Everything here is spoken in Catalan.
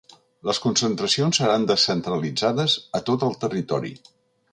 Les concentracions seran descentralitzades a tot el territori.